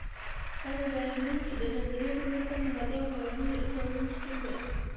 د ډایمونډ د نظریې پر بنسټ نباتي او حیواني ډولونه شتون لري.